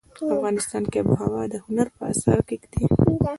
افغانستان کې آب وهوا د هنر په اثار کې دي.